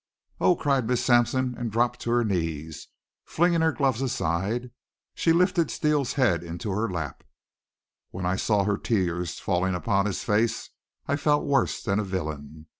"Oh!" cried Miss Sampson, and dropped to her knees, flinging her gloves aside. She lifted Steele's head into her lap. When I saw her tears falling upon his face I felt worse than a villain.